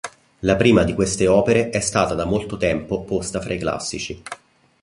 La prima di queste opere è stata da molto tempo posta tra i classici.